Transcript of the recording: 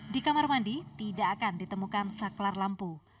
di kamar mandi tidak akan ditemukan saklar lampu